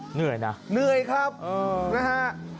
เหนื่อยนะครับเออเหนื่อยครับนะฮะ